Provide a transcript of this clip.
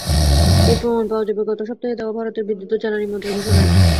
এর প্রমাণ পাওয়া যাবে গত সপ্তাহে দেওয়া ভারতের বিদ্যুৎ ও জ্বালানিমন্ত্রীর ঘোষণায়।